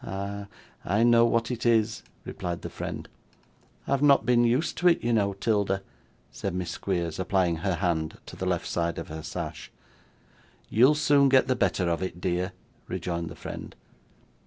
'Ah! I know what it is,' replied the friend. 'I have not been used to it, you know, 'Tilda,' said Miss Squeers, applying her hand to the left side of her sash. 'You'll soon get the better of it, dear,' rejoined the friend.